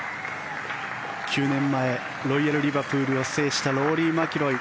９年前ロイヤル・リバプールを制したローリー・マキロイ。